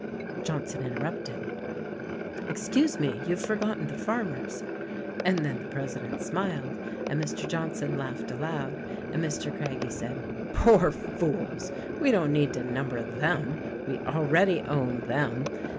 Johnson interrupted : "Excuse me, you have forgotten the farmers." And then the president smiled, and Mr. Johnson laughed aloud. And Mr. Craggie said, "Poor fools! We don't need to number them. We already own them.